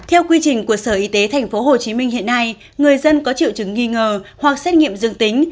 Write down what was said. theo quy trình của sở y tế tp hcm hiện nay người dân có triệu chứng nghi ngờ hoặc xét nghiệm dương tính